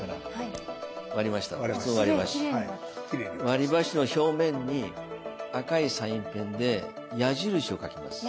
割りばしの表面に赤いサインペンで矢印を書きます。